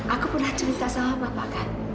aku pernah cerita sama bapak kan